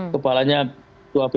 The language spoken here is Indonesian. kepalanya tua pppu